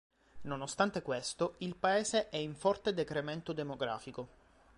Nonostante questo il paese è in forte decremento demografico.